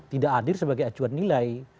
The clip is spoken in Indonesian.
tidak hadir sebagai acuan nilai